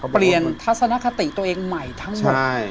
เปลี่ยนทัศนคติตัวเองใหม่ทั้งหมด